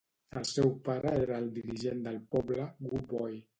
El seu pare era el dirigent del poble, Good Boy.